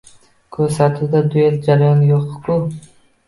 Koʻrsatuvda duel jarayoni yoʻq-ku!